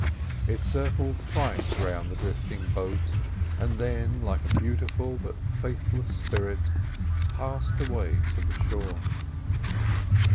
It circled thrice round the drifting boat, and then, like a beautiful but faithless spirit, passed away to the shore.